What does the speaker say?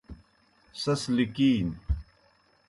سیْس لِکِینیْ